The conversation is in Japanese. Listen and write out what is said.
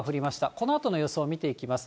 このあとの予想見ていきます。